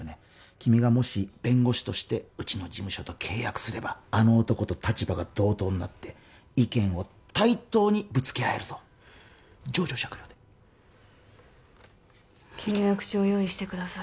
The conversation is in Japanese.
君がもし弁護士としてうちの事務所と契約すればあの男と立場が同等になって意見を対等にぶつけ合えるぞ情状酌量で契約書を用意してください